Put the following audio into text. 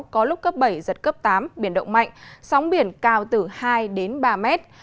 có lúc cấp bảy giật cấp tám biển động mạnh sóng biển cao từ hai đến ba mét